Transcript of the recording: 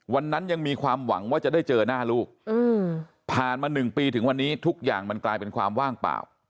ยังมีความหวังว่าจะได้เจอหน้าลูกผ่านมา๑ปีถึงวันนี้ทุกอย่างมันกลายเป็นความว่างเปล่า